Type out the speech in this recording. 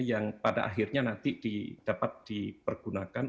yang pada akhirnya nanti dapat dipergunakan